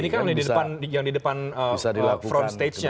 ini kan nih yang di depan front stage nya